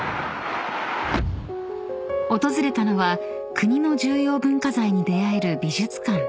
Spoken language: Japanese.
［訪れたのは国の重要文化財に出合える美術館］